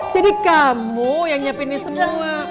jadi kamu yang nyiapin ini semua